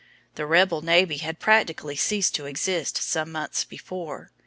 The rebel navy had practically ceased to exist some months before.